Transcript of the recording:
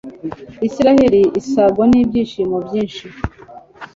israheli isagwa n'ibyishimo byinshi